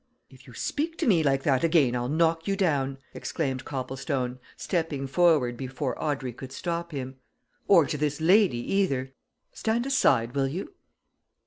"If you speak to me like that again I'll knock you down!" exclaimed Copplestone, stepping forward before Audrey could stop him. "Or to this lady, either. Stand aside, will you?"